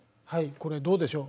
これどうでしょう？